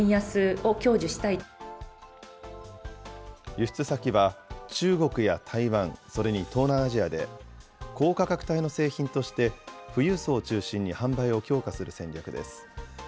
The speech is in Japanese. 輸出先は、中国や台湾、それに東南アジアで、高価格帯の製品として、富裕層を中心に販売を強化する戦略です。